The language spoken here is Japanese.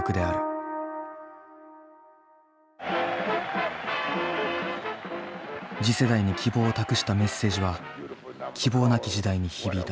次世代に希望を託したメッセージは希望なき時代に響いた。